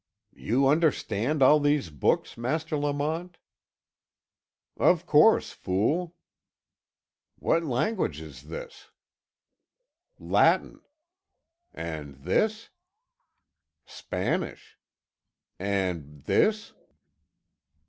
"You understand all these books, Master Lamont?" "Of course, fool." "What language is this?" "Latin." "And this?" "Spanish." "And this?"